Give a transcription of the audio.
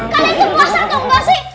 kalian itu puasa atau enggak sih